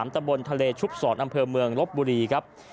ตะบนทะเลชุบศรอำเภอเมืองลบบุรีครับ